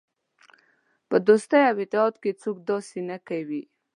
په دوستۍ او اتحاد کې څوک داسې نه کوي.